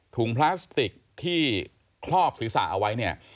พลาสติกที่คลอบศีรษะเอาไว้เนี่ย